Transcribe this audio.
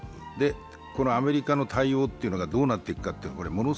このアメリカの対応というのがどうなっていくのかは